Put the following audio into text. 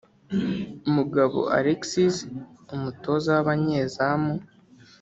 Mugabo Alexis (Umutoza w’abanyezamu)